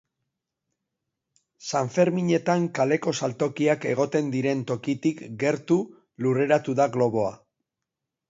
Sanferminetan kaleko saltokiak egoten diren tokitik gertu lurreratu da globoa.